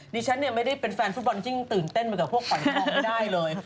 ดิฉันเนี่ยไม่ได้เป็นแฟนฟุตบอลยิ่งตื่นเต้นเหมือนกับพวกขวัญพ่อไม่ได้เลย